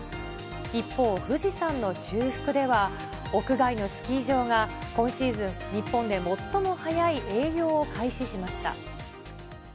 一方、富士山の中腹では、屋外のスキー場が今シーズン、日本で最も早い営業を開始しました。